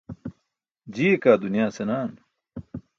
Jiiye kaa dunyaa senaan.